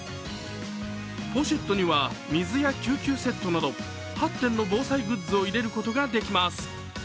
ポシェットには水や救急セットなど８点の防災グッズを入れることができます。